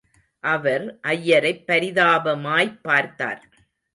அவர் ஐயரைப் பரிதாபமாய்ப் பார்த்தார்.